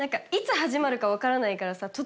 いつ始まるか分からないからさ